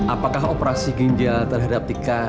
apakah operasi ginjal terhadap tika